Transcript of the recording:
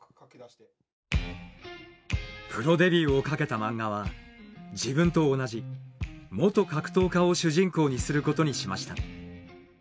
プロデビューを懸けた漫画は自分と同じ元格闘家を主人公にすることにしました。